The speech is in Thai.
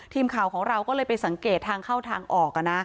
ทีมข่าวของเราก็เลยไปสังเกตทางเข้าทางออก